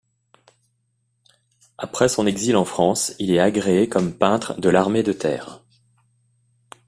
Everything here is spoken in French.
Après son exil en France, il est agréé comme peintre de l'Armée de terre.